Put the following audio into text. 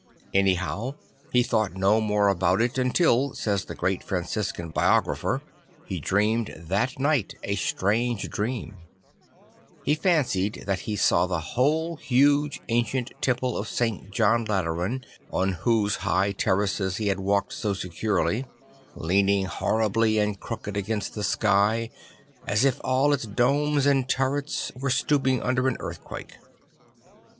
Anyhow he thought no more about it until, says the great Franciscan biographer, he dreamed that night a strange dream. He fancied that he saw the whole huge ancient temple of St. John Lateran, on whose high terraces he had walked so securely, leaning horribly and crooked against the sky as if all its domes and turrets were stooping before an earthquake.